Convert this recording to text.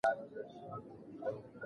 کم غوښه خوړونکي لږ اغېز لري.